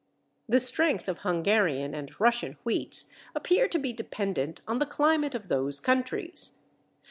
The strength of Hungarian and Russian wheats appear to be dependent on the climate of those countries.